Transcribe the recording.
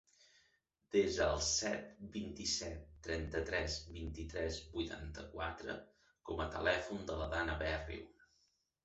Desa el set, vint-i-set, trenta-tres, vint-i-tres, vuitanta-quatre com a telèfon de la Danna Berrio.